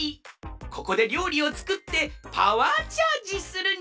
ここでりょうりをつくってパワーチャージするんじゃ！